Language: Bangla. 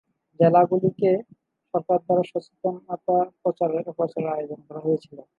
জেলাগুলিতে সরকার দ্বারা সচেতনতা প্রচারের আয়োজন করা হয়েছিল।